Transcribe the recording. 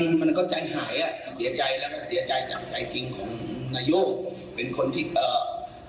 เสียจากใจจริงของนโยม